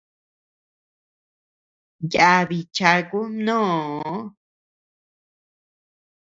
Yabi chaku mnoo.